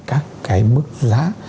các cái mức giá